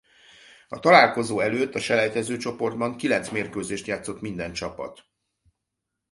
A találkozó előtt a selejtezőcsoportban kilenc mérkőzést játszott minden csapat.